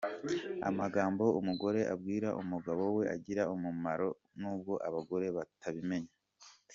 Amagambo umugore abwira umugabo we agira umumaro nubwo abagore batabimenya.